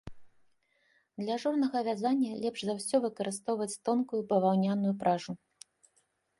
Для ажурнага вязання лепш за ўсе выкарыстоўваць тонкую баваўняную пражу.